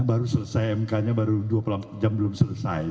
baru selesai mk nya baru dua puluh jam belum selesai